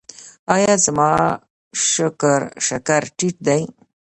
ایا زما شکر ټیټ دی؟